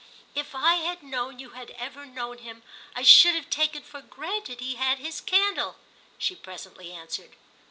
"If I had known you had ever known him I should have taken for granted he had his candle," she presently answered.